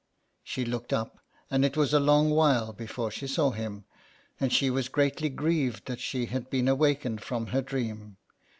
She looked up and it was a long while before she saw him, and she was greatly grieved that she had been awakened from her dream.